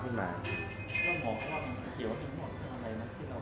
แล้วหมอเขาบอกว่าเป็นเกี่ยวกับที่หมอขึ้นอะไรนะ